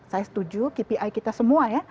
saya setuju kpi kita semua ya